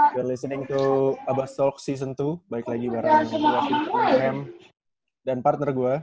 we re listening to abastalk season dua balik lagi bareng wafid moham dan partner gue